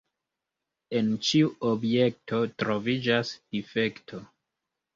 En ĉiu objekto troviĝas difekto.